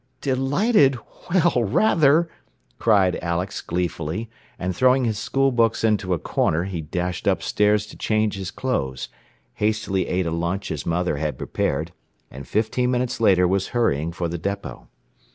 "Delighted? Well, rather!" cried Alex, gleefully, and throwing his school books into a corner, he dashed up stairs to change his clothes, hastily ate a lunch his mother had prepared, and fifteen minutes later was hurrying for the depot.